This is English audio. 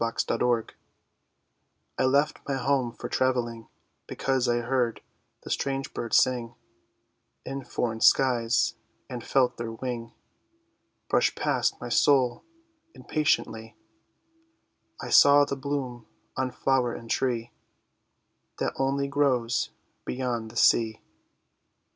DISTANT VOICES I left my home for travelling; Because I heard the strange birds sing In foreign skies, and felt their wing Brush past my soul impatiently; I saw the bloom on flower and tree That only grows beyond the sea.